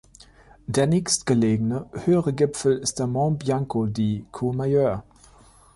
Der nächstgelegene höhere Gipfel ist der Monte Bianco di Courmayeur.